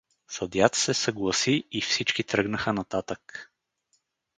Съдията се съгласи и всички тръгнаха нататък.